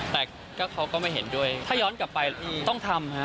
แต่เขาก็ไม่เห็นด้วยถ้าย้อนกลับไปต้องทำฮะ